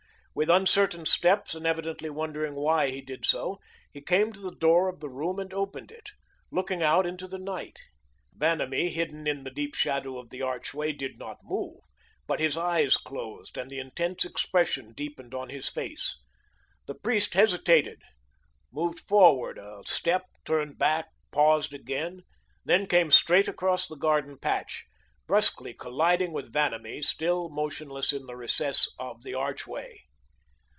With uncertain steps, and evidently wondering why he did so, he came to the door of the room and opened it, looking out into the night. Vanamee, hidden in the deep shadow of the archway, did not move, but his eyes closed, and the intense expression deepened on his face. The priest hesitated, moved forward a step, turned back, paused again, then came straight across the garden patch, brusquely colliding with Vanamee, still motionless in the recess of the archway.